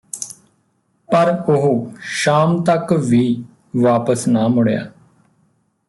ਪਰ ਉਹ ਸ਼ਾਮ ਤੱਕ ਵੀ ਵਾਪਸ ਨਾ ਮੁੜਿਆ